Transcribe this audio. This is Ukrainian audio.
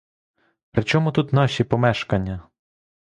При чому тут наші помешкання?!